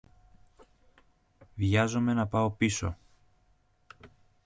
Βιάζομαι να πάω πίσω.